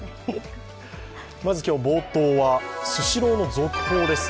まず今日、冒頭はスシローの続報です。